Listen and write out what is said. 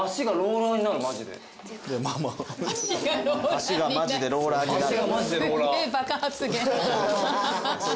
「足がマジでローラーになる」